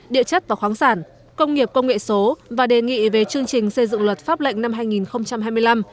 địa chất và khoáng sản công nghiệp công nghệ số và đề nghị về chương trình xây dựng luật pháp lệnh năm hai nghìn hai mươi năm